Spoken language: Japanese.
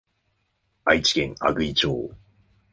愛知県阿久比町